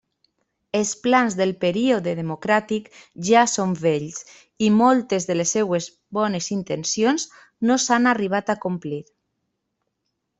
Els plans del període democràtic ja són vells i moltes de les seues bones intencions no s'han arribat a complir.